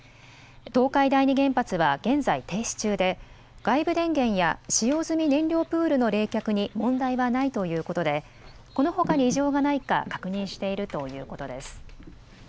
東海第二原発は現在停止中で外部電源や使用済み燃料プールの冷却に問題はないということでこのほかに異常がないか確認しているということです。